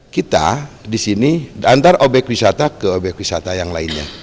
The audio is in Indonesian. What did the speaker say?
kita di sini antar obyek wisata ke obyek wisata yang lainnya